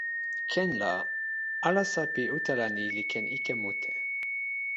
ken la, alasa pi utala ni li ken ike mute.